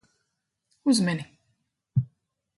Uzmini.